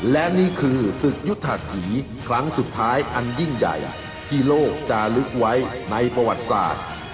และนี่คือศึกยุทธีครั้งสุดท้ายอันยิ่งใหญ่ที่โลกจะลึกไว้ในประวัติศาสตร์